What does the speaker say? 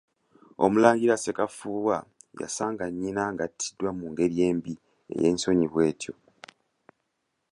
Omulangira Ssekafuuwa yasanga nnyina ng'attiddwa mu ngeri embi ey'ensonyi bw'etyo.